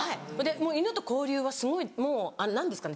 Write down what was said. もう犬と交流はすごいもう何ですかね